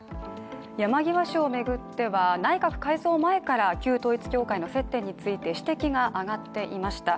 山際氏を巡っては内閣改造前から旧統一教会との接点について指摘が上がっていました。